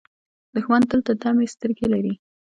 دښمن تل د طمعې سترګې لري